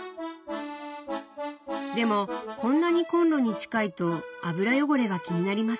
でもこんなにコンロに近いと油汚れが気になりませんか？